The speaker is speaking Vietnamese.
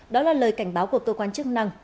đó là lời cảnh báo của cơ quan chức năng